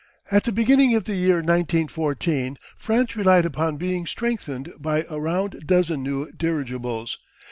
At the beginning of the year 1914 France relied upon being strengthened by a round dozen new dirigibles.